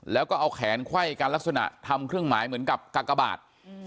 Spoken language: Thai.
แล้วก็เอาแขนไขว้กันลักษณะทำเครื่องหมายเหมือนกับกากบาท